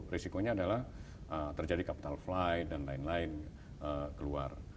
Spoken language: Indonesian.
risikonya adalah terjadi capital fly dan lain lain keluar